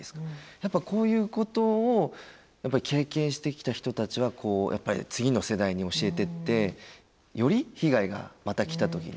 やっぱこういうことを経験してきた人たちは次の世代に教えてってより被害がまた来た時に。